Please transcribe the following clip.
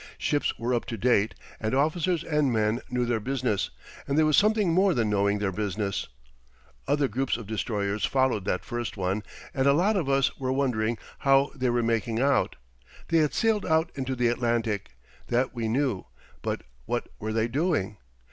Ships were up to date and officers and men knew their business; and there was something more than knowing their business. Other groups of destroyers followed that first one, and a lot of us were wondering how they were making out. They had sailed out into the Atlantic that we knew; but what were they doing?